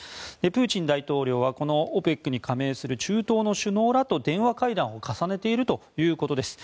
プーチン大統領はこのＯＰＥＣに加盟する中東の首脳らと電話会談を重ねているということです。